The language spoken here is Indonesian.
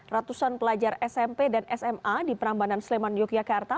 ratusan pelajar smp dan sma di perambanan sleman yogyakarta